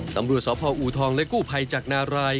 ตำรวจสพอูทองและกู้ภัยจากนาราย